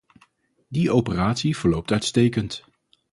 Die operatie verloopt uitstekend.